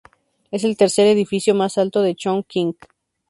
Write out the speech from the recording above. Es el tercer edificio más alto de Chongqing.